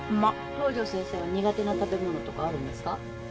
東上先生は苦手な食べ物とかあるんですか？